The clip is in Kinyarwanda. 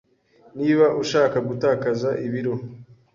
Niba ushaka gutakaza ibiro,